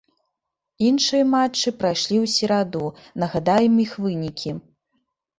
Іншыя матчы прайшлі ў сераду, нагадаем іх вынікі.